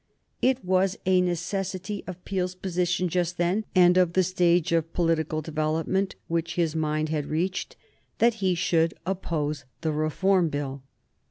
It was a necessity of Peel's position just then, and of the stage of political development which his mind had reached, that he should oppose the Reform Bill.